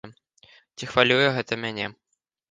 Ці хвалюе гэта мяне?